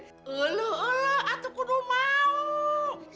eluh eluh aku kudu mau